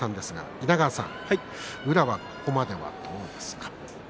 稲川さん、宇良はここまでどうですか。